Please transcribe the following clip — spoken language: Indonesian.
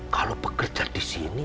kalau bekerja di sini